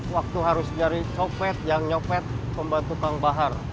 waktu harus nyari copet yang nyopet membantu kang bahar